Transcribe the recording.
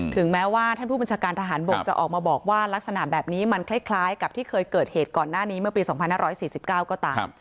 ถึงแม้ว่าท่านผู้บัญชาการทหารบกจะออกมาบอกว่าลักษณะแบบนี้มันคล้ายกับที่เคยเกิดเหตุก่อนหน้านี้เมื่อปี๒๕๔๙ก็ตาม